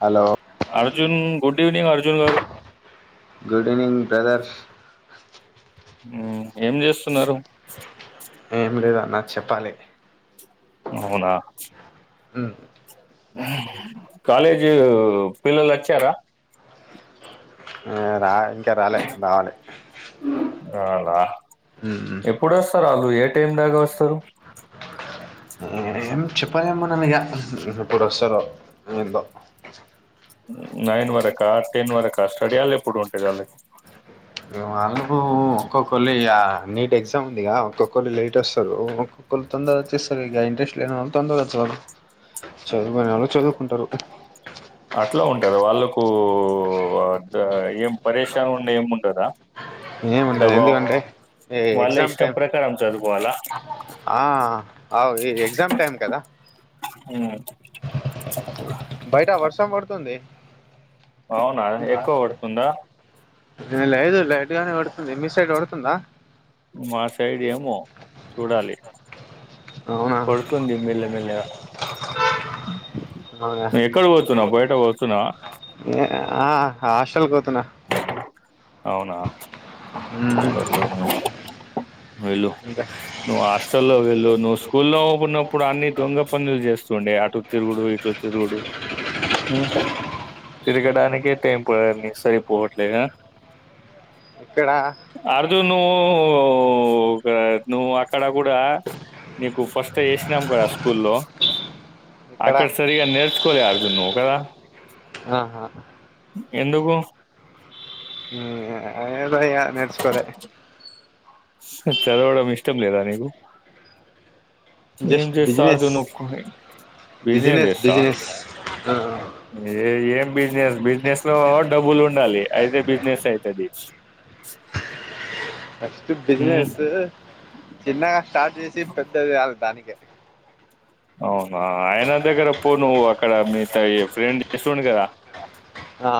Hello Arjun good evening Arjun గారు good evening brothers ఉమ్ ఏం జేస్తున్నరు. ఏం లేదన్న చెప్పాలి. అవునా మ్ కాలేజ్ పిల్లలచ్చారా? ఆ రా ఇంకా రాలే రావాలె. ఎప్పుడొస్తర్ ఆల్ టైమ్ దాకా వస్తారు. ఎం చెప్పాలేం మనమిగా ఎప్పుడొస్తరో ఎందో నైన్ వరకా టెన్ వరకా స్టడీ హర్ల్ ఎప్పుడుంటయ్ ఆళ్ళకి వాళ్ళకు ఒక్కొక్కలిగా నీట్ ఎగ్జామ్ ఉందిగా ఒక్కొక్కళ్ళు లేటోస్తరు ఒక్కొక్క తొందరొచ్చేస్తరిగ ఇంట్రెస్ట్ లేని వాళ్ళు తొందరొస్తారు. చదువుకునే వాళ్ళు చదువుకుంటరు. అట్ల ఉంటద వాళ్ళకు అంటే ఏం పరేషాన్ ఉండ ఏముండదా ఏముండద్ ఎందుకంటే ఏ వాళ్ళ ఎగ్జామ్ ఇష్టం టైమ్ ప్రకారం చదువుకోవాలా ఆ అవ్ ఈ ఎక్జామ్ టైమ్ కదా మ్మ్. బైట వర్షం పడుతుంది. అవునా ఎక్కో కొడుతుందా? ఏ లేదు లైట్ గానే కొడుతుంది మిసైడ్ పడుతుందా? మా సైడ్ ఏమో చూడాలి. అవునా పడుతుంది మెల్ల మెల్లగా అవునా ఎక్కడ పోతున్నవ్ బైట పోతున్నవా? ఏ, ఆ హాస్టల్క్ పోతున్న. అవునా మ్మ్. వెళ్ళు ఇంకా నువ్వు హాస్టల్లో వెళ్ళు నువ్వు స్కూల్లో ఉన్నప్పుడు అన్ని దొంగ పనుల్ చేస్ తుండె అటు తిరుగుడు ఇటు తిరుగుడు. మ్ తిరగడానికే టైం పొ సరిపోవట్లేద ఎక్కడా నూ...... ఓకే నువ్వు అక్కడ కూడా నీకు ఫస్ట్ ఏషినం గదా స్కూల్లో ఇక్కడ అక్కడ సరిగా నెర్చుకోలే అర్జున్ నువ్ కదా ఆహా ఎందుకు ఉమ్ ఏదో ఇగ నేర్చుకోలే నీక్ చదవడం ఇష్టం లేదా నీకు ఏం జస్ట్ జెస్తా సర్ద్ బిజినెస్ కొని బిజినెస్ చేస్తావ ఆ, ఏ ఏ బిజినెస్ బిజినెస్ లో డబ్బులు ఉండాలి అయితే బిసిన్స్ ఐతది ఫస్ట్ బిజినెస్ చిన్నగా స్టార్ట్ చేసి పెద్దగ చేయాలి దానికి ఓన్ అ ఆయన దగర పోన్ నువ్వు అక్కడ మీ ఫ్రెండ్ జెస్తుండు కదా ఆ,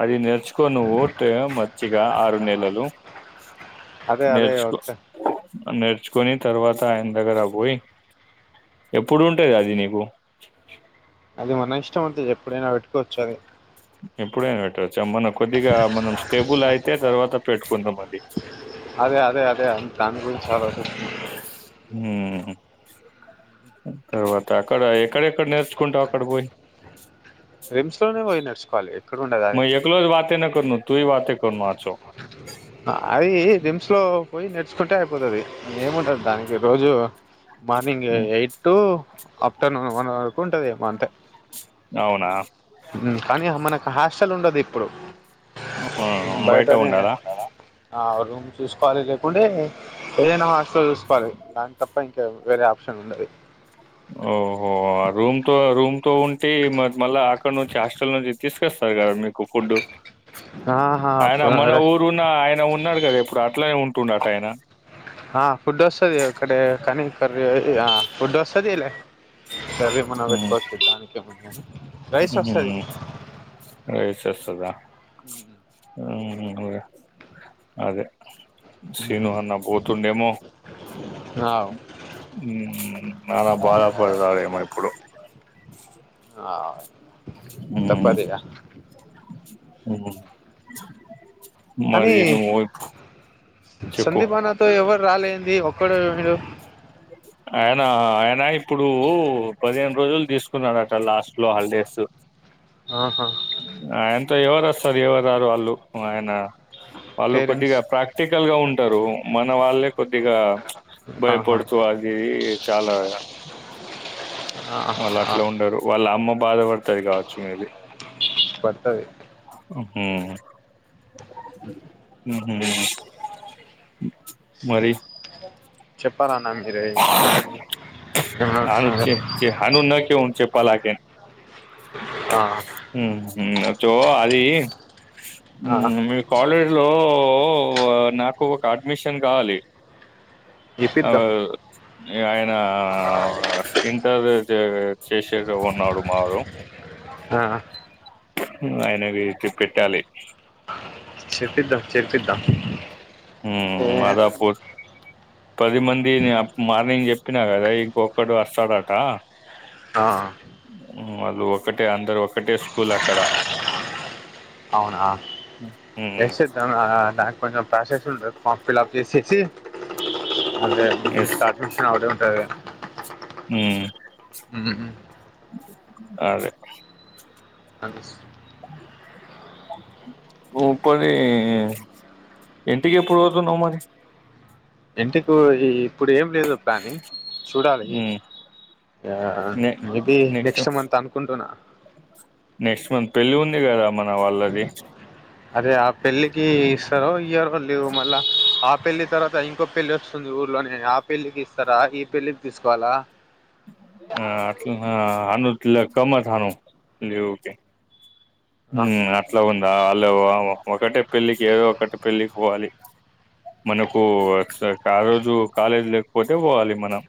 అది నేర్చుకో నువ్ టే మంచి గా ఆరు నెలలు అదే అదే నేర్చుకో ఓకే నేర్చుకొని తర్వాత ఆయన దగ్గర పోయి ఎప్పుడు ఉంటాది అది నీకు అది మన ఇష్టం అంతది ఎప్పుడైనా పెట్టుకోవచ్చు అది ఎప్పుడైనా పెట్టవచ్చు మనం కొద్దిగా మనం స్టేబుల్ అయితే తర్వాత పెట్టుకుందాం అది అదే అదే అదే అ దాని గురించి ఆలోచిస్తున్న ఉమ్మ్ తర్వాత అక్కడ ఎక్కడెక్కడ నేర్చుకుంటావు అక్కడకు పోయి రిమ్స్ లోనే పోయి నేర్చుకోవాలి ఎక్కడ ఉండదు అది మే ఎలోనో వాతే నోకర్నా తు వాతే కర్నో అది రిమ్స్ లో పోయి నేర్చుకుంటే అయిపోతది ఏముంటది దానికి రోజు morning eight to afternoon one వరకు ఉంటది ఏమ్మో అంతే అవునా కానీ మనకు హాస్టల్ ఉండదు ఇప్పుడు ఆ, బయట బయటనే ఉండాలా ఉండదా ఆ రూమ్ చూసుకోవాలి లేకుంటే ఏదైనా హాస్టల్ చూసుకోవాలి దాని తప్ప ఇంకా వెరీ ఆప్షన్ ఉండయి ఓఓ ఓ అ రూమ్ టు రూమ్ టు ఉంటే మళ్ళా అక్కడ నుంచి హాస్టల్ నుంచి తీసుకస్తారు కా మీకు ఫుడ్ ఆహా ఆయన మన ఊరున్న ఆయన ఉన్నాడు కదా ఇప్పుడు అట్లానే ఉండాటయినా ఆ ఫుడ్ వస్తది ఇక్డే కానీ ఫుడ్ వస్తదిలే కర్రీ మనకు హ్మ్. పెట్టుకోవచ్చు దానికి ఏముంది గని రైస్ వస్తది స్ అస్తదా హుమ్మ్ అదే సీను అన్న పోతుందేమో అవ్ హ్మ్ అనా బాధ పడ రానే మ ఆ తప్పదిగా ఉం కానీ మరి నువ్ సందీప్ అన్నతో ఎవరు రాలె ఆయనా ఆయనా ఇప్పుడు పదేన్ రోజులు తీసుకున్నాడట లాస్ట్ లో హాలిడేసు ఆహా తె ఎవరు అస్తరు ఎవరు రారు వాళ్ళు ఆయన వాళ్ళు పేరెంట్స్ కొద్దిగా ప్రాక్టికల్ గ ఉంటరు మన వాళ్ళే కొద్దిగా చుప్ ఆహా భయపడుతూ ఆది చాల వాళ్ళ ఆ అట్లా ఉండరు వాళ్ళ అమ్మ బాధపడుతది కావచ్చు మెబి పట్టది ఉహ్ ఉమ్ మరి చెప్పారా అన్న మీరె ఇంకేమి ఏం నడుస్తుంది [unintelligible] పలాకెన్ ఉమ్ ఉమ్ చో అదీ ఆ ఉమ్మ్ మీ కాలేజ్ లో ఓ ఓ నాకు ఒక అడ్మిషన్ కావాలి అవ్ ఇప్పిద్దాం ఆయన అ ఇంటర్ వరకే చేస్ [inaudible] చేశెగ ఉన్నాడు మారు అ ఆ ఉమ్ అయిన ఇవి చుపెట్టాలి చెర్పిద్దాం చెర్పిద్దాం ఉమ్ మాదాపుర్ పది మందిని అప్ మార్నింగ్ చెప్ ప్పిన గదా ఇంకోక్కడు అస్తడట హా ఉమ్ వాళ్ళు ఒకటే అందరు ఒకటే స్కూల్ అక్కడ అవునా ఉమ్, ఎసెద్దామ్ ఆ ఆ నాకు కొంచెం ప్రాసెస్ ఉంటద్ ఫామ్ ఫిల్అప్ చేసేసి అంటే ఎస్ స్టార్ట్ మిషన్ అవతల్ ఉంటాది గా ఉహుమ్ అదె అంటిస్ వో పరి ఎంటికి ఎప్పుడు పోతావ్ నువ్ మరి ఎంటిక్ వొయి ఇప్పుడు ఏం లేదు ప్లానింగ్ చూడాలి య హా నే మేబి నెక్స్ట్ మంత్ అనుకుంటున్న నెక్స్ట్ మంత్ పెళ్లి ఉంది కదా మన వాళ్ళది. అదె ఆ పెళ్ళికి ఇస్తారో ఇయ్యారో లీవ్ మళ్ళా, ఆ పెళ్లి తర్వాత ఇంకో పెళ్లి ఓస్తుంది ఊర్ ఊర్లనే ఆ పెళ్లికి ఇస్తరా ఈ పెళ్లికి తీసుకోవలా [unintelligible] ఆ అట్ల నా అనుట్ లెక్క మై జాలున్ రి ఊకె ఆ ఉమ్ అట్ల ఉందా అళ్ళవొవ్ ఒకటే పెళ్ళికి ఏదో ఒకటి పెళ్ళికి పోవాలి. మనకు ఎక్స్ట్రా కాలేజు కాలేజ్ లేకపోతే పోవాలి మనం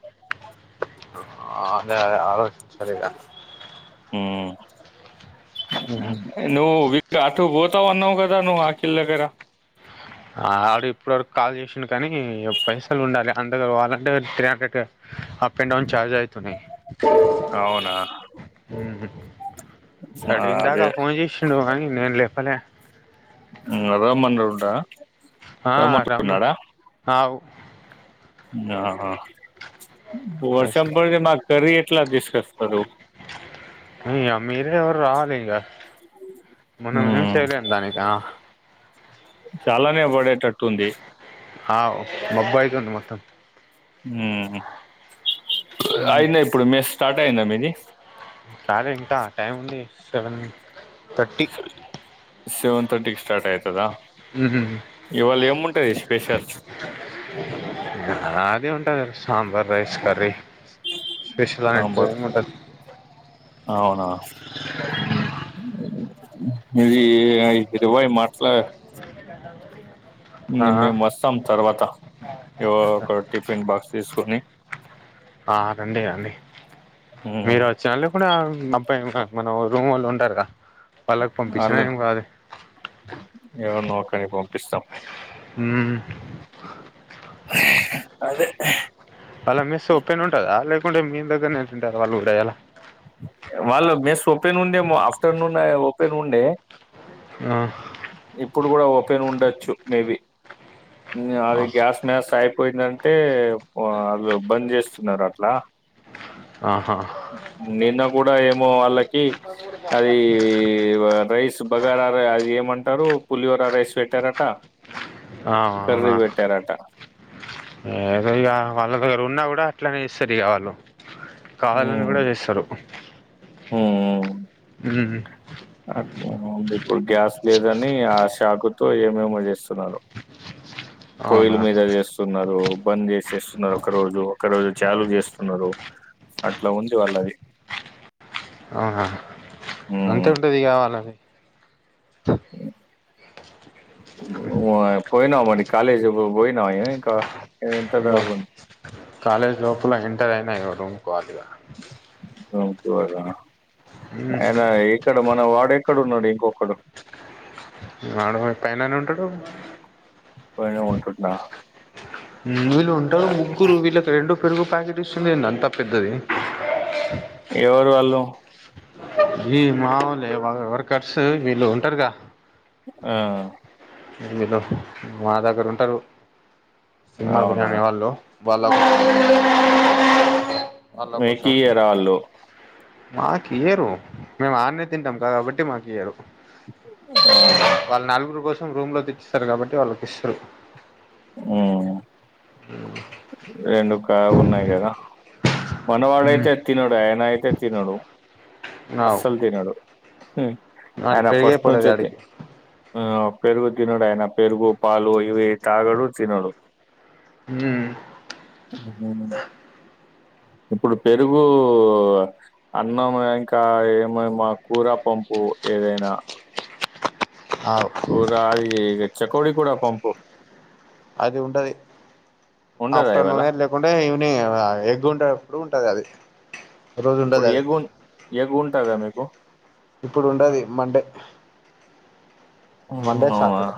ఆ అదే ఆలోచించుకోవాలి గ ఉమ్మ్ ఉమ్ నువ్వు విట్ అటుపోతే త్తవ్ అన్నావ్ కదా నువ్ అఖిల్ దగ్గర ఆడు ఇప్పడవరకు కాల్ చేశెండు కానీ ఇగ పైసలు ఉండాలె అందరు పోవాలంటే త్రీ హండ్రెడ్ త్రి హం అప్ అండ్ డౌన్ ఛార్జ్ ఆయుతున్నాయ్ అవునా ఆ! అడ్ ఇందాకా అదే ఫోన్ చేశిండు కానీ నేను లేపలే ఉమ్ అదేమన్ రూటా ఆ రమ్మన్ ఆ వు ఉమ్ అహా వర్షం పైసా పడితే మాక్ కర్రీ ఎట్లా దిస్ హలో మ్ ఇగ మీరే ఎవరో రావాలిగా మనం ఎం ఉమ్ చేయలేం దాని కా చాలానే పడేటట్టు ఉంది ఆవ్ మబ్బు అయితుంది మొత్తం మ్ అయిందా ఇప్పుడు మెస్ స్టార్ట్ అయిందా మీది కాలే ఇంకా టైం ఉంది సెవెన్ థర్టీ సెవెన్ థర్టీకి స్టార్ట్ అయితదా ఇవాళ ఏముంటది స్పెషల్స్ నాదె ఉంటది అచ్చ్ sambar rice curry special sambar ఇంకెముంటది అవునా ఉమ్ ఇది ఇరవై మాట్లా ఆ ఇంగ మేము వస్తాం తర్వాత ఒక టిఫిన్ బాక్స్ తీసుకొని ఆ రండి రండి మీరు వచ్చినాళ్ కూడా అబ్బై మనం రూమ్ వొళ్ళు ఉంటారుగా పలకు పంపిచిన వాళ్ళ ఏమ్ కాదు కాని పంపిస్తాం హ్మ్ అదే వాళ్ళ మెస్ ఒప్పెన్ ఉంటద లేకుంటే మీ దగ్గరనే వాళ్ళు ఉండాల వాళ్ళ మెస్ ఓపెన్ ఉందేమో ఆఫ్టర్నూన్ ఓపెన్ ఉండే ఆ ఇప్పుడు కూడ ఓపెన్ ఉండచ్చు మేబి అ గ్యాస్ మ్యాస్ పోయిందంటే అ బంద్ చేస్తున్నరు అట్లా అ హా నిన్న కూడా ఏమో వాళ్ళకి అదీ రైస్ బగారారై ఏమంటారు పులిహోర రైస్ పెట్టారంట ఆ అవునా ఏదొ ఇగ వాల్ల దగ్గర ఉన్న కూడ అట్లానే ఇస్తారిగా వాళు కావాలని కూడా చేస్తారు ఊ మ్ ఉమ్ ఇప్పుడు గ్యాస్ లేదని ఆ షాకుతో ఏమేమో చేస్తున్నరు పొయిల అవునా మీద చేస్తున్నారు బంద్ చేసేస్తున్నారు ఒక రోజు ఒక రోజు చాల చేస్తున్నారు అట్లా ఉంది వాళ్ళది అవునా అంతే హ్మ్. ఉంటది ఇగా వాలది వా పోయినవమరి కాలేజి పు పోయినావా ఏమి ఇంక ఎంతదాగ ఇగో ఉంది కాలేజ్ లోపల ఎంటర్ అయిన ఇంగ రూంకు పోవాలిగా అయిన ఇక్కడ మన వాడెక్కడున్నడు ఇంకొక్కడు వాడు పైననే ఉం పైనే ఉంటుండ వీళ్లు ఉంటరు ముగ్గురు వీళ్లకి రెండు పెరుగు ప్యాకె ట్ ఇస్తుందేందీ అంతా పెద్దది ఎవరు వాళ్ళు ఈ మాముూలే వర్ వర్కర్సు వీళ్ళు ఉంటారుగా ఆ వీలు మా దగ్గర ఉంటారు సింహాద్రి అవునా అనే వాళ్ళు వాళ్ల మీకియరాళ్లు మాకియ్యరు మేము ఆన్నే తింటాం కా కాబట్టి మాకు ఇయ్యరు అవునా! వాళ్ల నలుగురు కోసం రూమ్ లో తెచ్చిస్తారు కాబట్టి వాళ్ళకి ఇస్తారు మ్మ్మ్మ్ ఉన్నాయి గదా! మనవాడైతే ఉమ్ తినడు ఆయన అయితే తినడు అవు అస్సలు తినడు అటు ఆయన పెరిగే ఫస్ట్ నుంచి పడేది అంతే ఆడికి ఆ పెరుగు తినుడైన పెరుగు పాలు ఇవి తాగడు తినడు ఉమ్ హుహు. ఇప్పుడు పెరుగూ అన్నం ఇంకా ఏమేమా కూరా పంపు ఏదైనా అవు కూర అది చేకోడికూడా పంపు అది ఉంటది ఉండదా ఇవాళ? ఆఫ్టర్నూనే లేకుంటే ఈవినింగ్ ఆ ఎగ్గు ఉండేటప్పుడు ఉంటది అది రోజుండదది ఎగ్గుంటదా మీకు ఇప్పుడు ఉండది మండే మండే సాటర్డే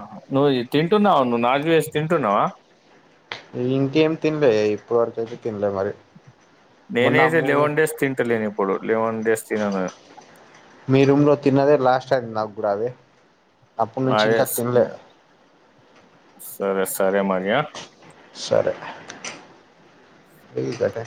తింటున్నావనువ్ నాక్ చేసి తింటున్నావా ఇంకేం తిన్లే ఇప్పుడువరకైతే తిన్లే మరి మొన్న నేనైతే మూవీ లెవెన్ డేస్ తింటలేనిప్పుడు మీ రూమ్ లో తిన్నదే లాస్ట్ అయ్యింది నాకు కూడా అది అప్పటి నుంచి అదే ఇంకా తినలే సరే సరే సరే మరి ఆ ఏ కట్ట